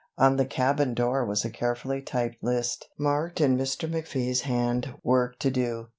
On the cabin door was a carefully typed list marked in Mr. McFee's hand "Work to Do."